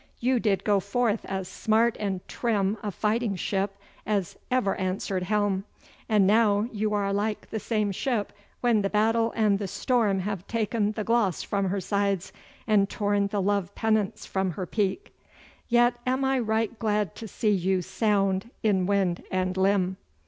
You did go forth as smart and trim a fighting ship as over answered helm, and now you are like the same ship when the battle and the storm have taken the gloss from her sides and torn the love pennants from her peak. Yet am I right glad to see you sound in wind and limb.